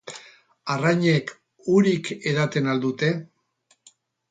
Arrainek urik edaten al dute?